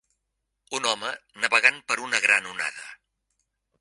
Un home navegant per una gran onada.